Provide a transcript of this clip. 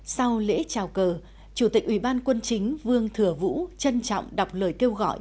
sau lễ chào cờ chủ tịch ủy ban quân chính vương thừa vũ trân trọng đọc lời kêu gọi